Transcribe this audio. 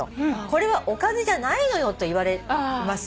「『これはおかずじゃないのよ』と言われます」